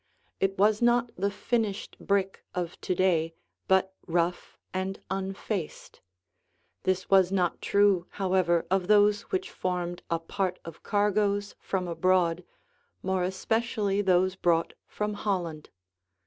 It was not the finished brick of to day but rough and unfaced. This was not true, however, of those which formed a part of cargoes from abroad, more especially those brought from Holland.